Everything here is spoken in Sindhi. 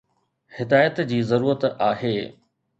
ھدايت جي ضرورت آھي